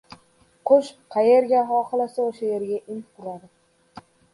• Qush qayerga xohlasa o‘sha yerga in quradi.